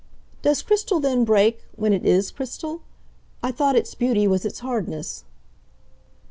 "Does crystal then break when it IS crystal? I thought its beauty was its hardness."